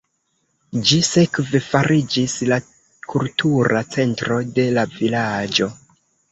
Ĝi sekve fariĝis la kultura centro de la vilaĝo.